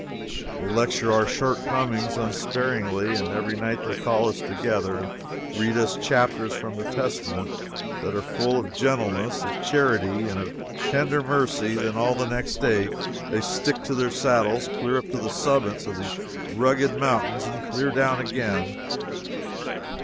They lecture our shortcomings unsparingly, and every night they call us together and read to us chapters from the Testament that are full of gentleness, of charity, and of tender mercy; and then all the next day they stick to their saddles clear up to the summits of these rugged mountains, and clear down again.